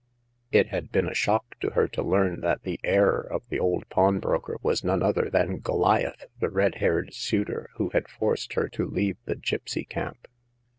It had been a shock to her to learn that the heir of the old pawnbroker was none other than Goliath, the red haired suitor who had forced her to leave the gipsy camp.